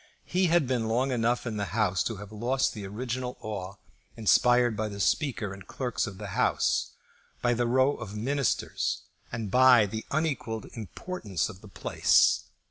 He had been long enough in the House to have lost the original awe inspired by the Speaker and the clerks of the House, by the row of Ministers, and by the unequalled importance of the place.